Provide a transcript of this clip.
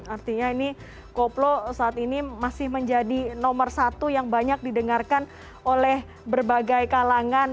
artinya ini koplo saat ini masih menjadi nomor satu yang banyak didengarkan oleh berbagai kalangan